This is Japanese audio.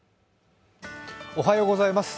おはようございます。